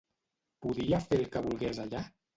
Podia fer el que volgués allà?